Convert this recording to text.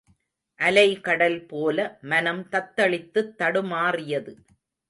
அலைகடல்போல மனம் தத்தளித்துத் தடுமாறியது.